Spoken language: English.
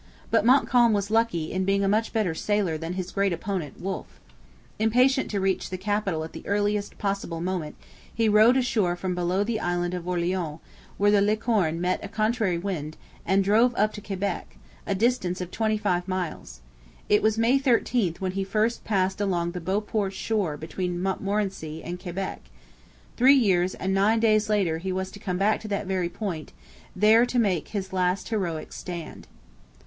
But Montcalm was lucky in being a much better sailor than his great opponent Wolfe. Impatient to reach the capital at the earliest possible moment he rowed ashore from below the island of Orleans, where the Licorne met a contrary wind, and drove up to Quebec, a distance of twenty five miles. It was May 13 when he first passed along the Beauport shore between Montmorency and Quebec. Three years and nine days later he was to come back to that very point, there to make his last heroic stand.